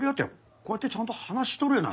こうやってちゃんと話しとるやないか。